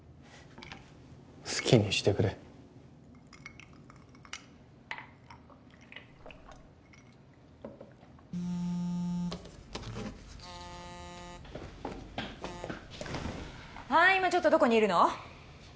好きにしてくれはい今ちょっとどこにいるの？